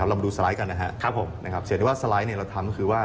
กัจมาดูสไลด์กันสไลด์นะครับเฉพาะที่เราทำก็คือว่า